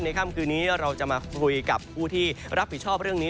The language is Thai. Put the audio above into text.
ค่ำคืนนี้เราจะมาคุยกับผู้ที่รับผิดชอบเรื่องนี้